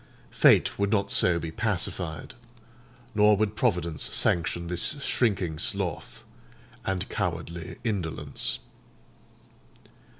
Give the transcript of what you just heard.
Fate would not so be pacified; nor would Providence sanction this shrinking sloth and cowardly indolence.